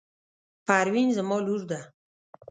پروین زما لور ده.